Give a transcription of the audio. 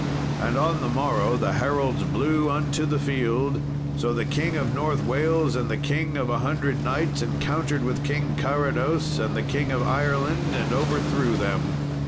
And on the morrow the heralds blew unto the field. So the King of North Wales and the King of a Hundred Knights encountered with King Carados and the King of Ireland, and overthrew them.